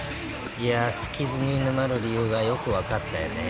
いやー、スキズに沼る理由がよく分かったよね。